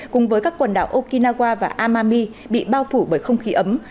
cùng với các quần đảo okinawa và amami bị bao phủ bởi không khí ấm